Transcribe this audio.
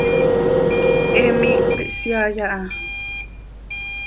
He miicp ihsyai aha.